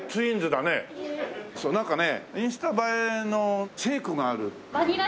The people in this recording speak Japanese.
なんかねインスタ映えのシェイクがあるって。